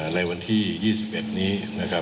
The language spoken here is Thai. ในวันที่๒๑นี้